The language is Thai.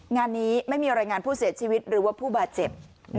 งานนี้ไม่มีรายงานผู้เสียชีวิตหรือว่าผู้บาดเจ็บ